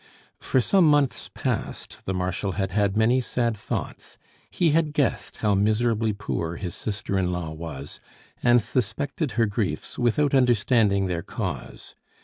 For some months past the Marshal had had many sad thoughts. He had guessed how miserably poor his sister in law was, and suspected her griefs without understanding their cause.